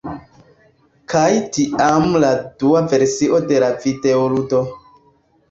kaj tiam la dua versio de la videoludo